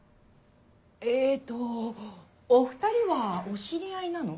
えっとお２人はお知り合いなの？